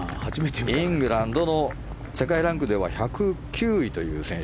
イングランドの世界ランクでは１０９位という選手。